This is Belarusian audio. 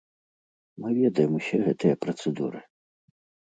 Мы ведаем усе гэтыя працэдуры.